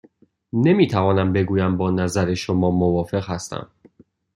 نمی توانم بگویم با نظر شما موافق هستم.